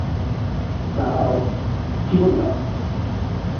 দাঁড়াও, কী বললাম?